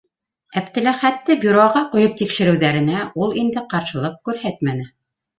Әптеләхәтте бюроға ҡуйып тикшереүҙәренә ул инде ҡаршылыҡ күрһәтмәне.